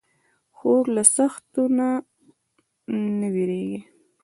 خور له سختیو نه نه وېریږي.